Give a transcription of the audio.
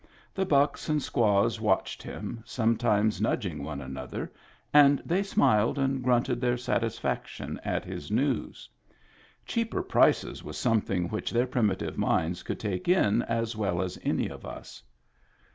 The bucks and squaws watched him, sometimes nudging one another, and they smiled and grunted their satisfaction at his news. Cheaper prices was something which their primitive minds could take in as well as any of us.